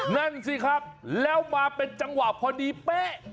นั่นสิครับแล้วมาเป็นจังหวะพอดีเป๊ะ